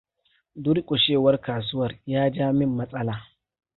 Durƙushewar kasuwar ya ja min matsala.